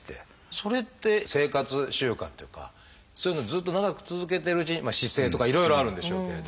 それって生活習慣というかそういうのをずっと長く続けてるうちに姿勢とかいろいろあるんでしょうけれど。